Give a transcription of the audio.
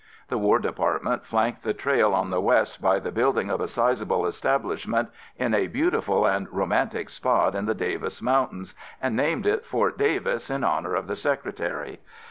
The War Department flanked the trail on the west by the building of a sizeable establishment in a beautiful and romantic spot in the Davis Mountains and named it Fort Davis in honor of the secretary.